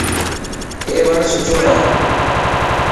اي وڻ سٺو هي.